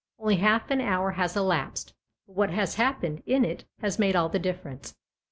Only half an hour has elapsed, but what has happened in it has made all the difference."